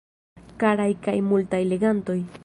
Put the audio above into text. Karaj kaj multaj legantoj.